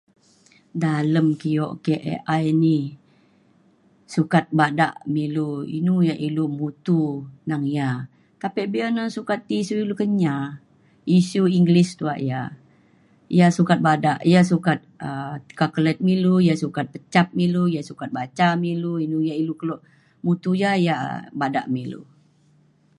dalem kio ke AI ni sukat bada me ilu inu yak ilu mutu neng ia’. tapek be’un na sukat ti isiu ilu Kenyah isiu English tuak ia’. ia’ sukat bada ia’ sukat um calculate me ilu ia’ sukat pecak me ilu ia’ sukat baca me ilu inu yak ilu kelo mutu ia’ ia’ bada me ilu.